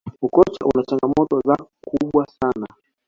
ukocha una changamoto za kubwa sana